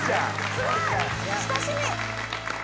すごい！親しみ。